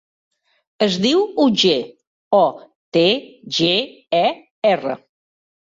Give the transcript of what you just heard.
Es diu Otger: o, te, ge, e, erra.